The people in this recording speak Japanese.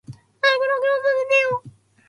早く録音させてよ。